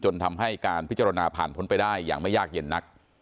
ทำให้การพิจารณาผ่านพ้นไปได้อย่างไม่ยากเย็นนัก